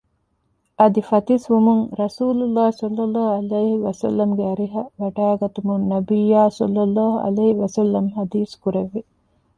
އަދި ފަތިސްވުމުން ރަސޫލުﷲ ﷺ ގެ އަރިހަށް ވަޑައިގަތުމުން ނަބިއްޔާ ﷺ ޙަދީޘްކުރެއްވި